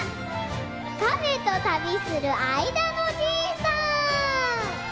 カメとたびするあいだのじいさん！